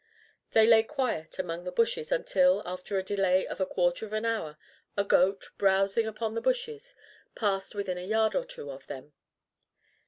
They lay quiet among the bushes until, after a delay of a quarter of an hour, a goat, browsing upon the bushes, passed within a yard or two of them.